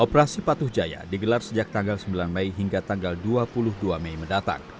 operasi patuh jaya digelar sejak tanggal sembilan mei hingga tanggal dua puluh dua mei mendatang